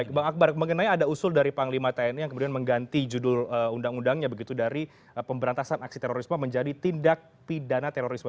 baik bang akbar mengenai ada usul dari panglima tni yang kemudian mengganti judul undang undangnya begitu dari pemberantasan aksi terorisme menjadi tindak pidana terorisme